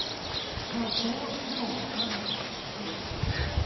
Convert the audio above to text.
そのどうしても分からなかった植物というのは？